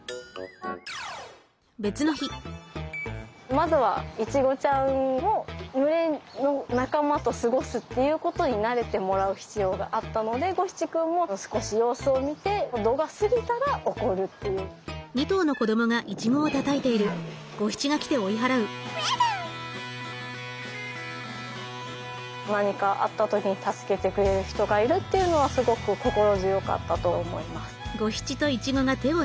まずはイチゴちゃんを群れの仲間と過ごすっていうことに慣れてもらう必要があったので何かあった時に助けてくれる人がいるっていうのはすごく心強かったと思います。